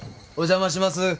お邪魔します。